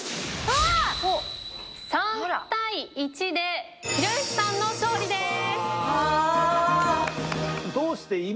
３対１でひろゆきさんの勝利です！